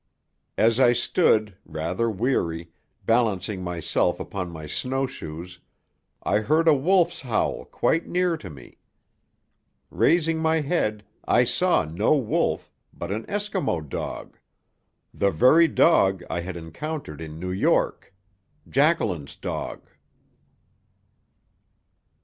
As I stood, rather weary, balancing myself upon my snow shoes, I heard a wolf's howl quite near to me. Raising my head, I saw no wolf, but an Eskimo dog the very dog I had encountered in New York, Jacqueline's dog!